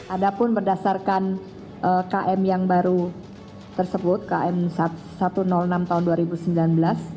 ada pun berdasarkan km yang baru tersebut km satu ratus enam tahun dua ribu sembilan belas